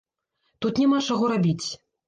Тут няма чаго рабіць!